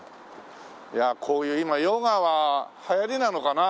いやあこういう今ヨガは流行りなのかな？